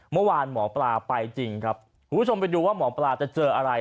เมื่อวานหมอปลาไปจริงครับคุณผู้ชมไปดูว่าหมอปลาจะเจออะไร